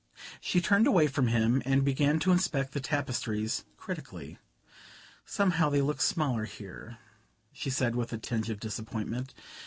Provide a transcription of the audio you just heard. She turned away from him and began to inspect the tapestries critically. "Somehow they look smaller here," she said with a tinge of disappointment.